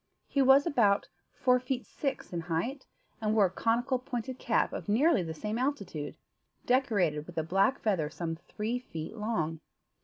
He was about four feet six in height, and wore a conical pointed cap of nearly the same altitude, decorated with a black feather some three feet long.